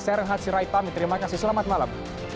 saya renhard siraitani terima kasih selamat malam